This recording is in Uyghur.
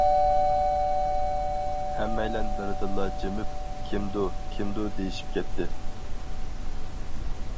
ھەممەيلەن بىردىنلا جىمىپ، «كىمدۇ، كىمدۇ» دېيىشىپ كەتتى.